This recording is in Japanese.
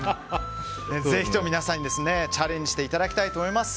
ぜひとも皆さんにチャレンジしていただきたいと思います。